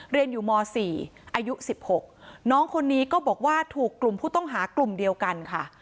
เรียนอยู่ม๔อายุ๑๖น้องคนนี้ก็บอกว่าถูกกลุ่มผู้ต้องหากลุ่มเดียวกันค่ะ